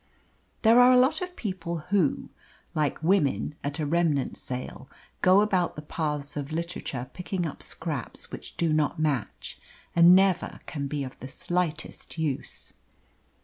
There are a lot of people who, like women at a remnant sale, go about the paths of literature picking up scraps which do not match, and never can be of the slightest use.